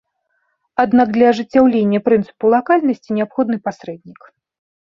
Аднак, для ажыццяўлення прынцыпу лакальнасці неабходны пасрэднік.